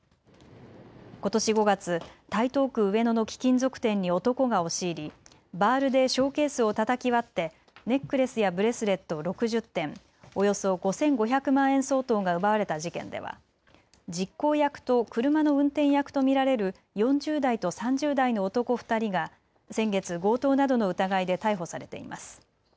ことし５月、台東区上野の貴金属店に男が押し入りバールでショーケースをたたき割ってネックレスやブレスレット６０点、およそ５５００万円相当が奪われた事件では実行役と車の運転役と見られる４０代と３０代の男２人が先月、強盗などの疑いで逮捕されています。